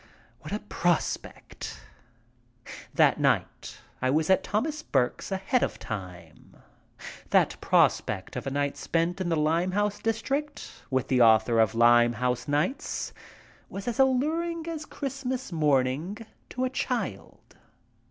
What a prospect ! That night I was at Thomas Burke's ahead of time. The prospect of a night spent in the Limehouse district with the author of "Limehouse Nights" was as alluring as Christmas morning to a child.